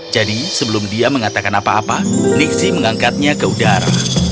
jadi sebelum dia mengatakan apa apa nixie mengangkatnya ke udara